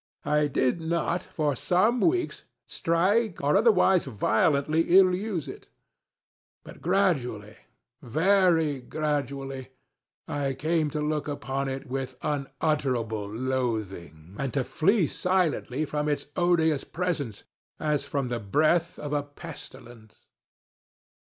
I did not, for some weeks, strike, or otherwise violently ill use it; but graduallyŌĆövery graduallyŌĆöI came to look upon it with unutterable loathing, and to flee silently from its odious presence, as from the breath of a pestilence.